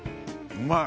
うまい！